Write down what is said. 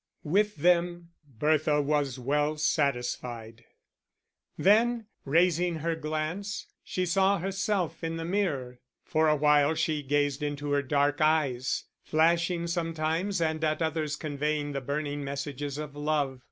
With them Bertha was well satisfied. Then, raising her glance, she saw herself in the mirror: for a while she gazed into her dark eyes, flashing sometimes and at others conveying the burning messages of love.